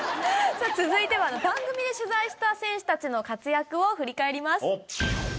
さあ、続いては、番組で取材した選手たちの活躍を振り返ります。